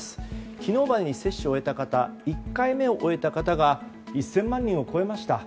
昨日までに接種を終えた方は１回目を終えた方が１０００万人を超えました。